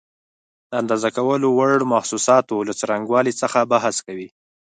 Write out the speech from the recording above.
د اندازه کولو وړ محسوساتو له څرنګوالي څخه بحث کوي.